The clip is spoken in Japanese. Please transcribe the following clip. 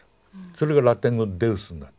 それがラテン語でデウスになった。